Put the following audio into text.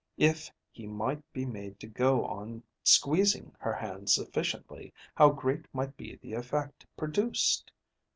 If he might be made to go on squeezing her hand sufficiently, how great might be the effect produced!